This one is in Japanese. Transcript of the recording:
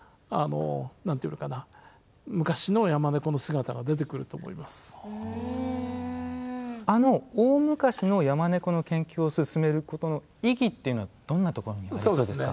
だけどこれからもっと情報が集まればあの大昔のヤマネコの研究を進めることの意義っていうのはどんなところにありそうですか？